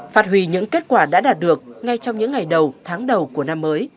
phạt hủy những kết quả đã đạt được ngay trong những ngày đầu tháng đầu của năm mới